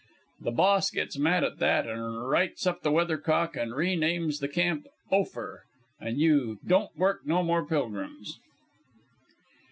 The Boss gets mad at that, and rights up the weathercock, and renames the camp Ophir, and you don't work no more pilgrims.